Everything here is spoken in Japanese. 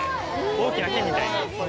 大きな木みたいな。